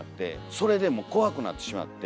それでもう怖くなってしまって。